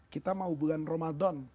kita mau bulan ramadhan